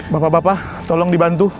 bapak bapak tolong dibantu